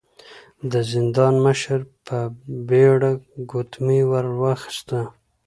د زندان مشر په بيړه ګوتمۍ ور واخيسته.